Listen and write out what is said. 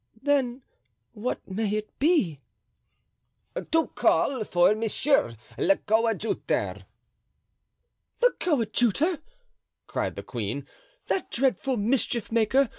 "Then what may it be?" "To call for monsieur le coadjuteur." "The coadjutor!" cried the queen, "that dreadful mischief maker!